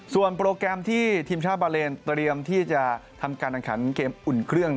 ส่วนโปรแกรมที่ทีมชาติบาเลนเตรียมที่จะทำการแข่งขันเกมอุ่นเครื่อง